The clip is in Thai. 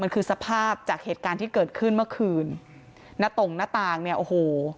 มันคือสภาพจากเหตุการณ์ที่เกิดขึ้นเมื่อคืนณตงหน้าต่างเนี่ยโอ้โห